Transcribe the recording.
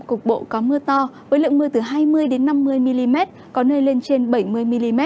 nhiệt độ có mưa to với lượng mưa từ hai mươi đến năm mươi mm có nơi lên trên bảy mươi mm